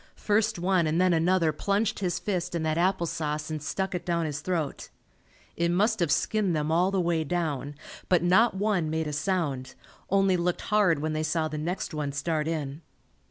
First one and then another plunged his fist in that apple sauce and stuck it down his throat. It must have skinned them all the way down, but not one made a sound, only looked hard when they saw the next one start in.